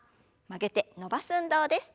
曲げて伸ばす運動です。